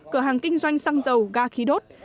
cửa hàng kinh doanh xăng dầu ga khí đốt